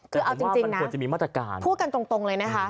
คือเอาจริงนะพูดกันตรงเลยนะคะ